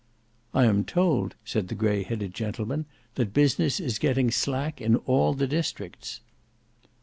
"I am told," said the grey headed gentleman, "that business is getting slack in all the districts."